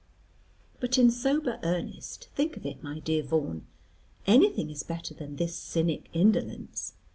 But in sober earnest, think of it, my dear Vaughan. Anything is better than this cynic indolence.